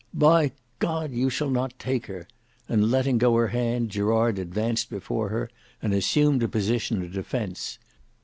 "By G—d you shall not take her;" and letting go her hand, Gerard advanced before her and assumed a position of defence.